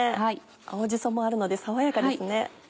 青じそもあるので爽やかですね。